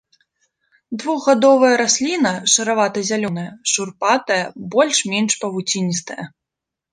Двухгадовая расліна, шаравата-зялёная, шурпатая, больш-менш павуціністая.